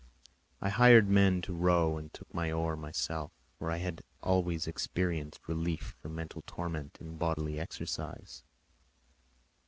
I hired men to row and took an oar myself, for I had always experienced relief from mental torment in bodily exercise.